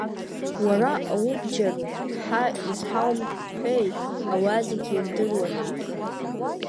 Уара аубџьыр, ҳа изҳаумҳәеи, ауаа зегьы ирдыруанеи!